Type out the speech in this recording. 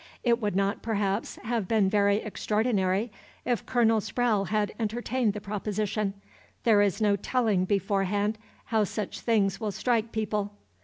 It would not, perhaps, have been very extraordinary, if Colonel Sprowle had entertained the proposition. There is no telling beforehand how such things will strike people.